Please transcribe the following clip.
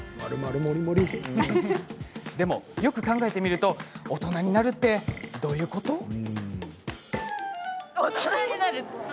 でも、よくよく考えてみると大人になるってどういうこと？